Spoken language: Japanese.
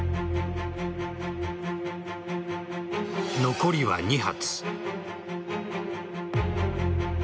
残りは２発。